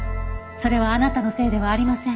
それはあなたのせいではありません。